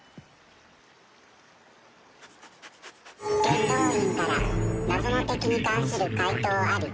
「元老院から謎の敵に関する回答あり」